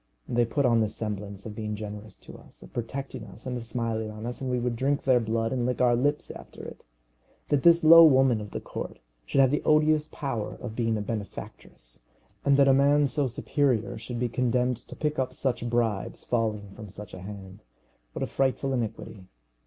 They put on the semblance of being generous to us, of protecting us, and of smiling on us, and we would drink their blood and lick our lips after it! That this low woman of the court should have the odious power of being a benefactress, and that a man so superior should be condemned to pick up such bribes falling from such a hand, what a frightful iniquity!